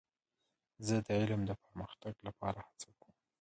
زه د علم د پراختیا لپاره هڅه کوم.